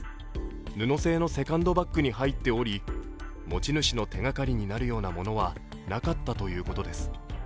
布製のセカンドバッグに入っており、持ち主の手がかりになるようなものは、なかったということです。